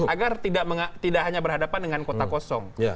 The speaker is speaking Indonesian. agar tidak hanya berhadapan dengan kota kosong